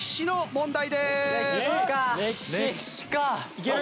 問題。